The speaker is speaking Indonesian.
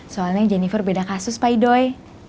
soalnya gineper beda kasus pak idoi